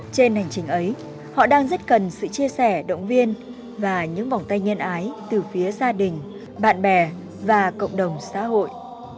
trên hành trình ấy họ đang rất cần sự chia sẻ động viên và những vòng tay nhân ái từ phía gia đình bạn bè và cộng đồng xã hội